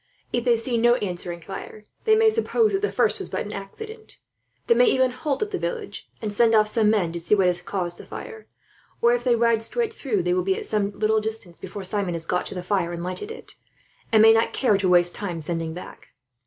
If they see no answering fire, they may suppose that the first was but an accident. They may even halt at the village, and send off some men to see what has caused the fire; or if they ride straight through, they will be at some little distance before Simon has got to the fire and lighted it, and may not care to waste time sending back.